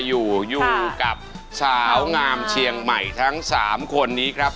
อยู่อยู่กับสาวงามเชียงใหม่ทั้ง๓คนนี้ครับ